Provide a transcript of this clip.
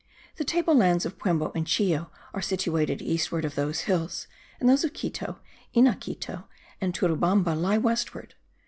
The table lands of Puembo and Chillo are situated eastward of those hills; and those of Quito, Inaquito and Turubamba lie westward.